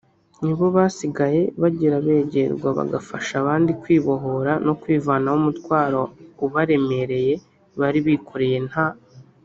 nibo basigaye bagira begerwa bagafasha abandi kwibohora no kwivanaho umutwaro ubaremereye bari bikoreye nta